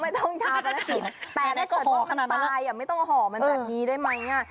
ชาปนหินแต่ถ้าเกิดห่อมันตายไม่ต้องห่อมันแบบนี้ได้ไหม